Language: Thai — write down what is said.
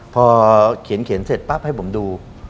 พอเขียนเสร็จปั๊บให้ผมดู